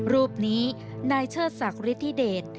รูปนี้นายเชิดศักดิทธิเดช